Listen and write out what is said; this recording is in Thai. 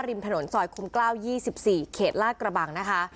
ริมถนนสอยคุมเกล้ายี่สิบสี่เขตลาดกระบังนะคะ